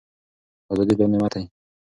ازادي لوی نعمت دی.